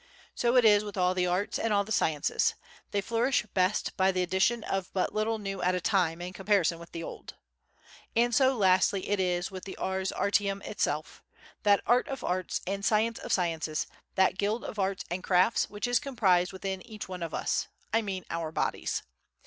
So it is with all the arts and all the sciences—they flourish best by the addition of but little new at a time in comparison with the old. And so, lastly, it is with the ars artium itself, that art of arts and science of sciences, that guild of arts and crafts which is comprised within each one of us, I mean our bodies.